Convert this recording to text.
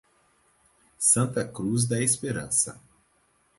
Santa Cruz da Esperança